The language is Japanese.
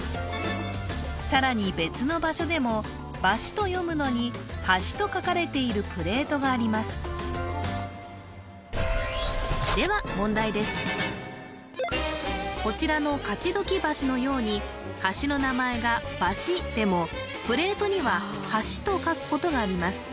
さらに別の場所でも「ばし」と読むのに「はし」と書かれているプレートがありますではこちらの勝鬨橋のように橋の名前が「ばし」でもプレートには「はし」と書くことがあります